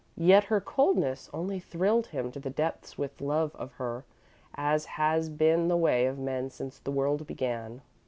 Yet her coldness only thrilled him to the depths with love of her, as has been the way of men since the world began.